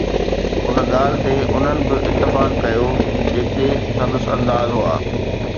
ان ڳالهه تي انهن به اتفاق ڪيو، جيڪي سندس انداز هئا